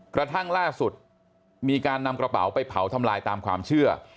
กระทั่งล่าสุดมีการนำกระเป๋าไปเผาทำลายตามความเชื่อ